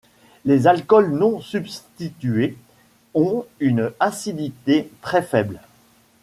Les alcools non substitués ont une acidité très faible.